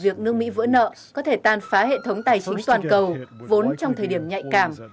việc nước mỹ vỡ nợ có thể tàn phá hệ thống tài chính toàn cầu vốn trong thời điểm nhạy cảm